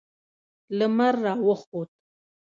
لمر راوخوت